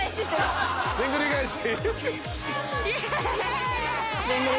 でんぐり返し。